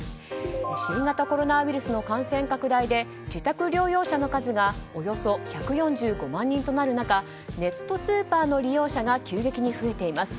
新型コロナウイルスの感染拡大で自宅療養者の数がおよそ１４５万人となるなかネットスーパーの利用者が急激に増えています。